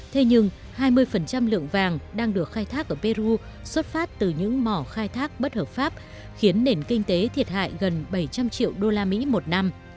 thế nhưng hai mươi lượng vàng đang được khai thác ở peru xuất phát từ những mỏ khai thác bất hợp pháp khiến nền kinh tế thiệt hại gần bảy trăm linh triệu usd một năm